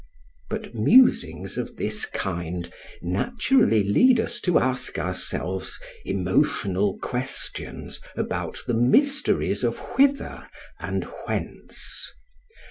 But musings of this kind naturally lead us to ask ourselves emotional questions about the mys teries of Whither and Whence.